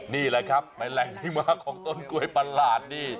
นี่แหล่งที่มาของต้นกล้วยประหลาดนี้